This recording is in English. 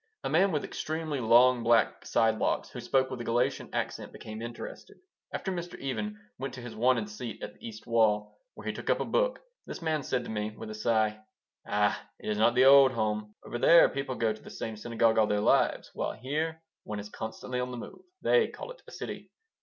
A man with extremely long black side locks who spoke with a Galician accent became interested. After Mr. Even went to his wonted seat at the east wall, where he took up a book, this man said to me, with a sigh: "Oh, it is not the old home. Over there people go to the same synagogue all their lives, while here one is constantly on the move. They call it a city.